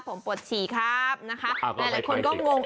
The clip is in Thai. ผมปวดฉี่ครับนะคะหลายคนก็งง